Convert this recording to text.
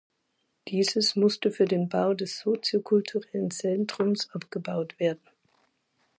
Dieses musste für den Bau des Soziokulturellen Zentrums abgebaut werden.